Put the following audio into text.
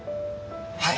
はい。